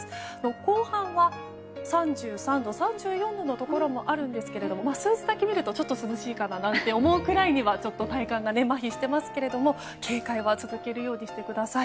後半は３３度、３４度のところもあるんですけれども数字だけ見るとちょっと涼しいかなと思うくらいには体感がまひしていますけども警戒は続けるようにしてください。